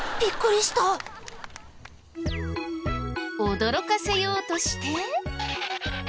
驚かせようとして。